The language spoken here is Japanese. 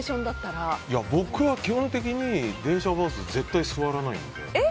僕は基本的に電車は絶対座らないので。